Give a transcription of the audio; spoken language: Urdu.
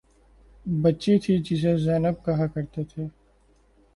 بچی تھی جسے زینب کہا کرتے تھے